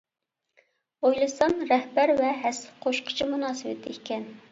ئويلىسام رەھبەر ۋە ھەسسە قوشقۇچى مۇناسىۋىتى ئىكەن.